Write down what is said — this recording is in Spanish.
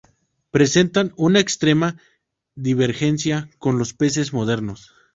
Presentan una extrema divergencia con los peces modernos.